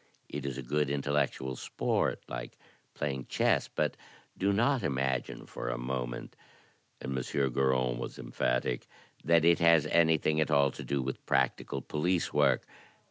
It is a good intellectual sport — like playing chess. But do not imagine for a moment," and M. Goron was emphatic, "that it has anything at all to do with practical police work.